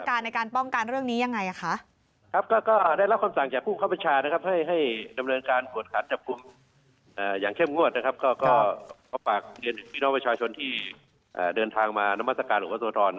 เพราะปากเรียนพี่น้องประชาชนที่เดินทางมาน้ำบาสการหลวงวัฒนธรรณ